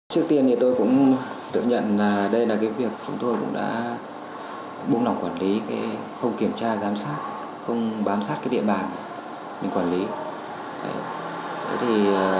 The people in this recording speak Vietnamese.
trước tiên thì tôi cũng tự nhận là đây là cái việc chúng tôi cũng đã búng nọc quản lý không kiểm tra giám sát không bám sát cái địa bàn mình quản lý